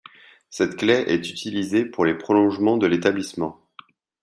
Cette claie est utilisée pour les prolongements de l'établissement.